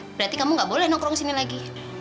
berarti kamu gak boleh nongkrong sini lagi